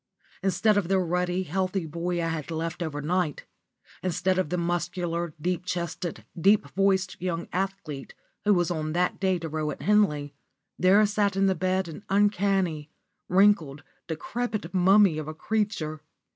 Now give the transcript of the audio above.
Instead of the ruddy, healthy boy I had left over night instead of the muscular, deep chested, deep voiced young athlete who was that day to row at Henley, there sat up in the bed an uncanny, wrinkled, decrepit mummy of a creature.